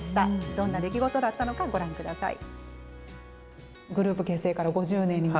どんな出来事だったのか、ご覧ください。